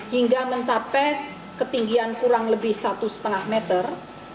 hingga mencapai ketinggian kurang lebih satu lima meter